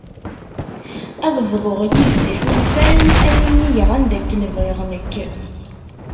Ad bḍuɣ yides iḥulfan ad innigeɣ anda akken bɣiɣ nekk.